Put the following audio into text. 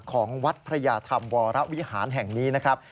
ของวัดพระยาธรรมวรวิหารแห่งนี้นะครับ